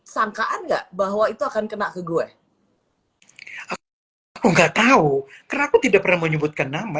sangkaan enggak bahwa itu akan kena ke gue aku enggak tahu karena aku tidak pernah menyebutkan nama